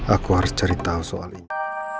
aku harus cerita soal ini